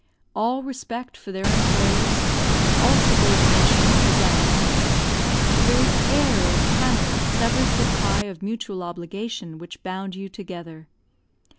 All respect for their employers, all subordination, is at an end; the very air of Canada severs the tie of mutual obligation which bound you together.